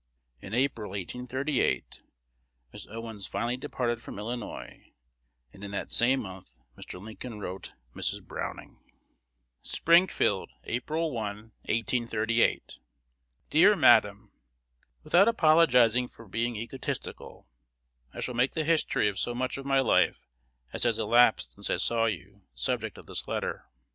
In April, 1838, Miss Owens finally departed from Illinois; and in that same month Mr. Lincoln wrote Mrs. Browning: Springfield, April 1, 1838. Dear Madam, Without appologising for being egotistical, I shall make the history of so much of my life as has elapsed since I saw you the subject of this letter.